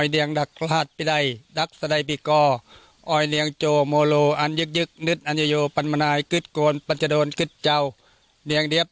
เดี๋ยวท่านฟังนะครับ